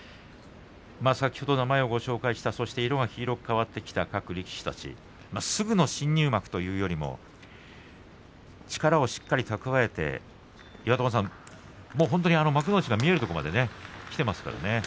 先ほど名前を紹介した色が黄色く変わっていた力士すぐの新入幕というよりも力をしっかり蓄えて岩友さん、本当に幕内が見えるところまできていますからね。